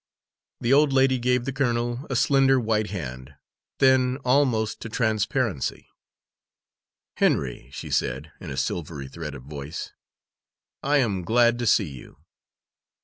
The old lady gave the colonel a slender white hand, thin almost to transparency. "Henry," she said, in a silvery thread of voice, "I am glad to see you.